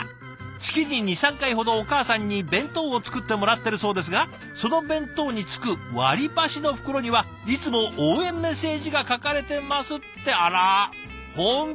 月に２３回ほどお母さんに弁当を作ってもらってるそうですが「その弁当につく割り箸の袋にはいつも応援メッセージが書かれてます」ってあら本当だ。